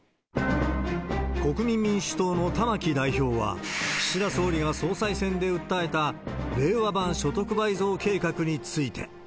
国民民主党の玉木代表は、岸田総理が総裁選で訴えた令和版所得倍増計画について。